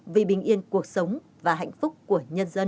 vì bình yên cuộc sống và hạnh phúc của nhân dân